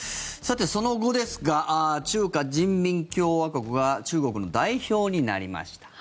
その後ですが中華人民共和国は中国の代表になりました。